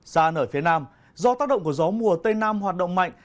xa nở phía nam do tác động của gió mùa tây nam hoạt động mạnh